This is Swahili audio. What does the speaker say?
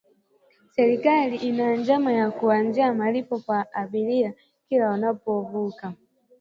serikali ina njama ya kuanzisha malipo kwa abiria kila wanapovuka